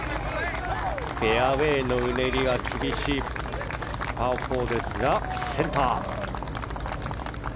フェアウェーのうねりが厳しいパー４ですが、センター。